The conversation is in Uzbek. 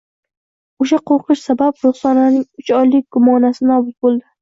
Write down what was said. O`sha qo`rqish sabab Ruxsoraning uch oylik gumonasi nobud bo`ldi